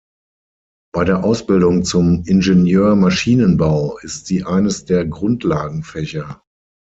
Bei der Ausbildung zum Ingenieur-Maschinenbau ist sie eines der Grundlagenfächer.